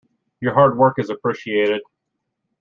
Your hard work is appreciated.